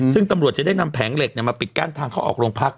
ซึ่งตำรวจจะได้นำแผงเหล็กมาปิดกั้นทางเข้าออกโรงพัก